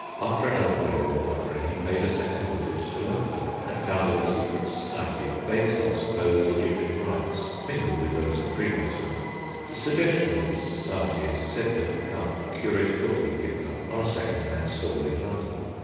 After another period of wandering he paid a second visit to London and founded a secret society, based on (supposed) Egyptian rites, mingled with those of freemasonry. The suggestion of this society is said to have come from a curious book he picked up on a second hand stall in London.